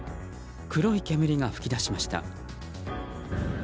黒い煙が噴き出しました。